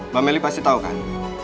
mbak meli pasti tahu kan